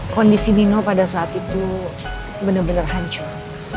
kondisi nino pada saat itu bener bener hancur